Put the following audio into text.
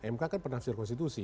mk kan pernah mengaksirkan konstitusi